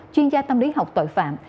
chuyên gia tâm lý học tội phạm